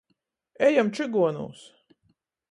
Ejam čyguonūs!